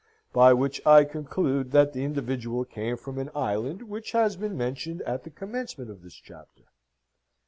by which I conclude that the individual came from an island which has been mentioned at the commencement of this chapter.